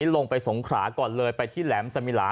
ลงไปสงขราก่อนเลยไปที่แหลมสมิลา